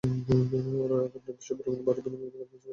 ওরা আবার নির্দিষ্ট পরিমাণ ভাড়ার বিনিময়ে কাদের কাছে যেন ছেড়ে দিয়েছে।